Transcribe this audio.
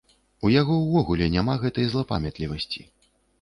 У яго ўвогуле няма гэтай злапамятлівасці!